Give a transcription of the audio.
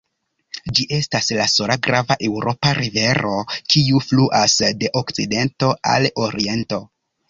Ĝi estas la sola grava eŭropa rivero, kiu fluas de okcidento al oriento.